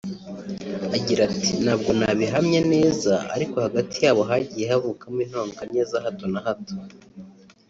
Agira ati “Ntabwo nabihamya neza ariko hagati yabo hagiye havuka intonganya za hato na hato